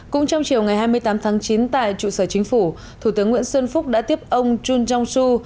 cũng trong chiều ngày hai mươi tám tháng chín tại trụ sở chính phủ thủ tướng nguyễn xuân phúc đã tiếp ông jun jong su